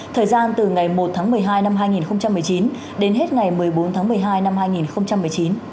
thời gian từ ngày một tháng một mươi hai năm hai nghìn một mươi chín đến hết ngày một mươi bốn tháng một mươi hai năm hai nghìn một mươi chín